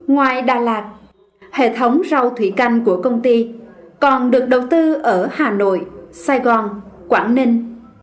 ngoài đà lạt hệ thống rau thủy canh của công ty còn được đầu tư ở hà nội sài gòn quảng ninh